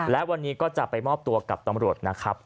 และวันนี้ก็จะไปมอบตัวกับตำรวจนะครับ